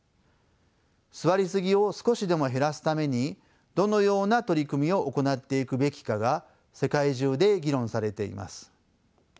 座りすぎを少しでも減らすためにどのような取り組みを行っていくべきかが世界中で議論されています。